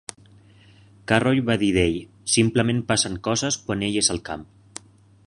Carroll va dir d'ell, "Simplement passen coses quan ell és al camp".